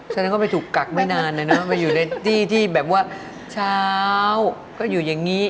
ฉันก็ไม่ถูกกักไม่นานนะมาอยู่ในที่แบบว่าเช้าก็อยู่อย่างนี้